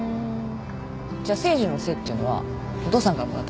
じゃ誠治の誠っていうのはお父さんからもらった名前なんだ。